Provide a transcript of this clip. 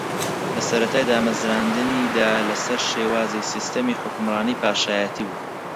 لە سەرەتای دامەزراندنییدا لەسەر شێوازی سیستمی حوکمڕانی پاشایەتی بوو